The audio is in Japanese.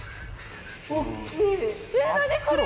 何これ！